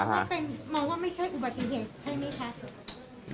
ถ้าเป็นมองว่าไม่ใช่อุบัติเหตุใช่ไหมคะ